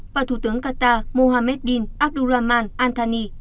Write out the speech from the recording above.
và thủ tướng qatar mohammed bin abdurrahman antalya